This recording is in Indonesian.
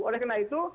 oleh karena itu